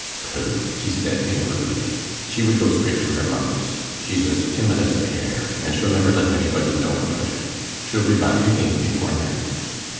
'Pooh,' he said inwardly, 'she would go straight to her mother's. She's as timid as a hare; and she'll never let anybody know about it. She'll be back again before night.